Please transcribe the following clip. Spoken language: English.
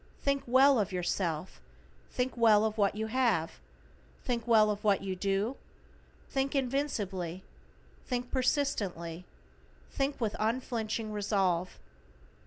Think well of yourself, think well of what you have, think well of what you do, think invincibly, think persistently, think with unflinching resolve.